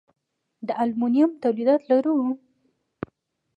د المونیم تولیدات لرو؟